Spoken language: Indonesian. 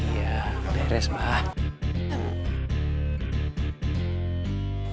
iya beres pak